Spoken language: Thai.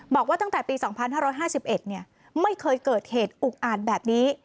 บอกว่าตั้งแต่ปี๒๕๕๑ไม่เคยเกิดเหตุอุกอาจแบบนี้